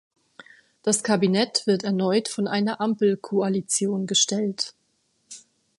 Das Kabinett wird erneut von einer Ampelkoalition gestellt.